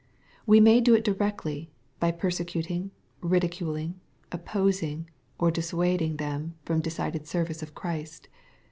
We may do it directly by persecuting, ridiculing, opposing, or dissuading them from decided service of Christ.